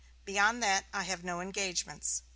Beyond that I have no engagements."